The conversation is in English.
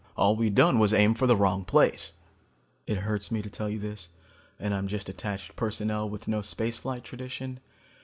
All we'd done was aim for the wrong place. It hurts me to tell you this and I'm just attached personnel with no space flight tradition.